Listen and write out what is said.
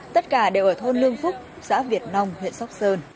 tất cả đều ở thôn lương phúc xã việt nông huyện sóc sơn